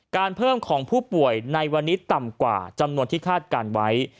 เพิ่มของผู้ป่วยในวันนี้ต่ำกว่าจำนวนที่คาดการณ์ไว้